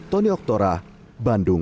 tony oktora bandung